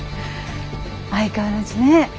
相変わらずね。